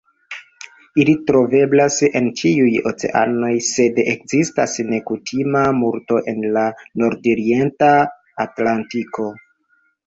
Ili troveblas en ĉiuj oceanoj, sed ekzistas nekutima multo en la nordorienta Atlantiko.